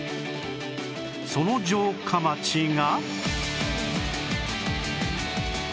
その城下町が